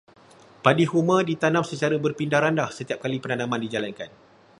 Padi huma ditanam secara berpindah-randah setiap kali penanaman dijalankan.